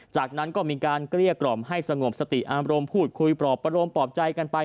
จากนั้นก็มีการเกลี้ยกล่อมให้สงบสติอารมณ์พูดคุยปลอบประโรมปลอบใจกันไป